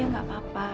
ya gak apa apa